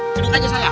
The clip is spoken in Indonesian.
duduk aja saya